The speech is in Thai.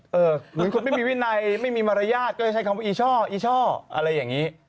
เหมือนคนไม่มีวินัยไม่มีมารยาทก็จะใช้คำว่าอีช่ออีช่ออะไรอย่างนี้